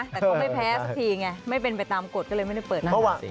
แต่ก็ไม่แพ้สักทีไงไม่เป็นไปตามกฎก็เลยไม่ได้เปิดหน้า